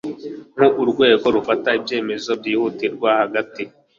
nk u rwego rufata ibyemezo byihutirwa hagati